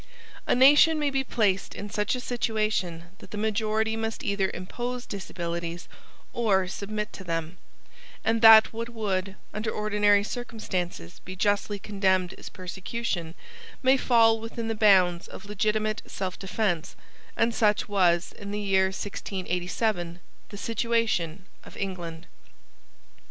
A nation may be placed in such a situation that the majority must either impose disabilities or submit to them, and that what would, under ordinary circumstances, be justly condemned as persecution, may fall within the bounds of legitimate selfdefence: and such was in the year 1687 the situation of England.